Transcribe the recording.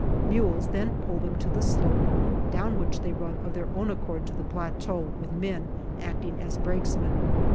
Mules then pull them to the slope, down which they run of their own accord to the plateau with men acting as brakesmen.